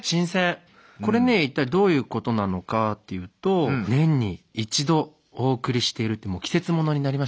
これね一体どういうことなのかっていうと年に一度お送りしているもう季節ものになりました。